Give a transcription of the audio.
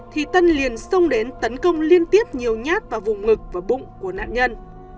thì tân liền xông đến tấn công liên tiếp nhiều nhát vào vùng ngực và bụng của nạn nhân